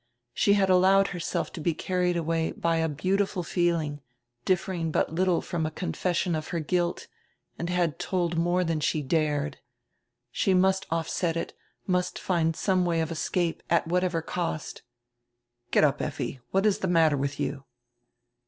She had allowed herself to be carried away by a beautiful feeling, differing but little from a confes sion of her guilt, and had told more than she dared. She must offset it, must find some way of escape, at whatever cost. "Get up, Effi. What is the matter with you?"